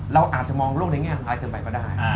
เราอาจจะมองโลกในแง่ร้ายเกินไปก็ได้